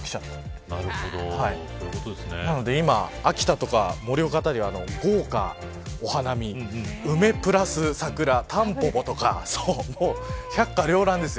今、秋田とか盛岡辺りは豪華お花見梅プラス桜、タンポポとか百花繚乱ですよ。